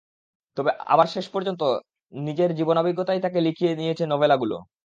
তবে আবার শেষ পর্যন্ত নিজের জীবনাভিজ্ঞতাই তাঁকে দিয়ে লিখিয়ে নিয়েছে নভেলাগুলো।